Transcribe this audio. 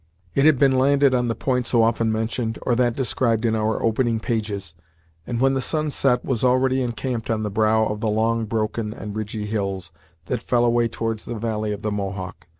It had been landed on the point so often mentioned, or that described in our opening pages, and, when the sun set, was already encamped on the brow of the long, broken, and ridgy hills, that fell away towards the valley of the Mohawk.